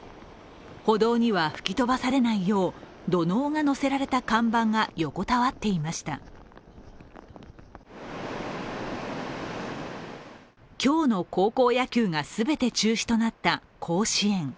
歩道には吹き飛ばされないよう土のうが載せられた看板が横たわっていました今日の高校野球が全て中止となった甲子園。